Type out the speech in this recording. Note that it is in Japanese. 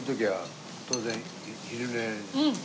うん！